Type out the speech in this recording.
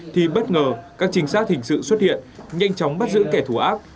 thì bất ngờ các chính xác hình sự xuất hiện nhanh chóng bắt giữ kẻ thù ác